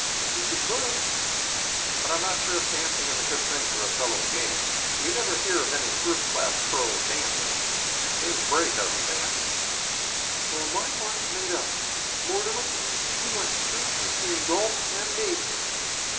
"You could learn." "But I'm not sure if dancing is a good thing for a fellow's game. You never hear of any first class pro. dancing. James Braid doesn't dance." "Well, my mind's made up. Mortimer, you must choose between golf and me."